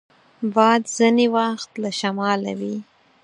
باد ځینې وخت له شماله وي